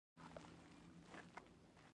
دوي همېشه د پښتو د سپېځلو اقدارو خيال ساتلے